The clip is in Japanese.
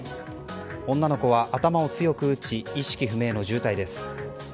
女の子は頭を強く打ち意識不明の重体です。